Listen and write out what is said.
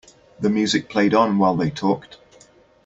The music played on while they talked.